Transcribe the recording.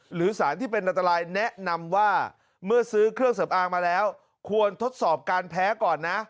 หรือสารที่เป็นอันตรายแนะนำว่าเมื่อซื้อเครื่องสำอางมาแล้วควรทดสอบการแพ้ก่อนนะ